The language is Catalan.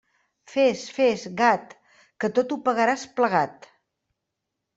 Fes, fes, gat, que tot ho pagaràs plegat.